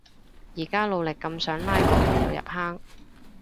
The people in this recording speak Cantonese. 而家努力噉想拉個朋友入坑